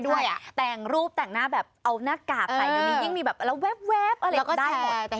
เราก็เลยงงว่าเราจะเล่นอะไร